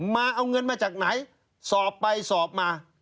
มาเอาเงินมาจากไหนสอบไปสอบมา